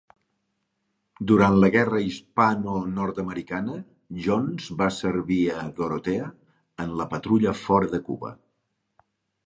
Durant la Guerra hispano-nord-americana, Jones va servir a "Dorothea" en la patrulla fora de Cuba.